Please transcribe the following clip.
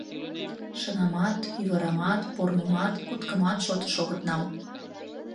Шыҥамат, ӱвырамат, пормымат, куткымат шотыш огыт нал.